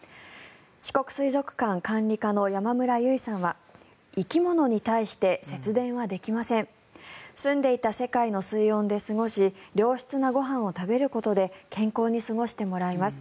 四国水族館管理課の山村優衣さんは生き物に対して節電はできませんすんでいた世界の水温で過ごし良質なご飯を食べることで健康に過ごしてもらいます。